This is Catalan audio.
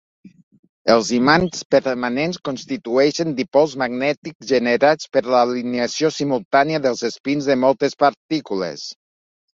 Els imants permanents constitueixen dipols magnètics generats per l'alineació simultània dels espins de moltes partícules.